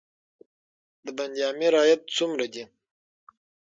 د بند امیر عاید څومره دی؟